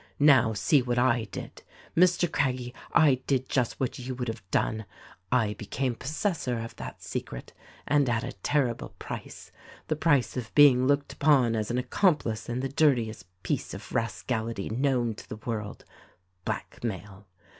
Now, see what I did. Mr. Craggie, I did just what you would hare done: I became possessor of that secret — and at a terrible price ; the price of being looked upon as an accomplice in the dirt iest piece of rascality known to the world : blackmail.